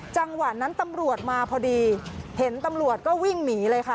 จังหวะนั้นตำรวจมาพอดีเห็นตำรวจก็วิ่งหนีเลยค่ะ